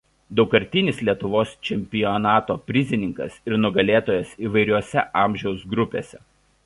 Daugkartinis Lietuvos čempionato prizininkas ir nugalėtojas įvairiose amžiaus grupėse.